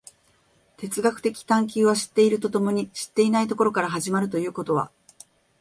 哲学的探求は知っていると共に知っていないところから始まるということは、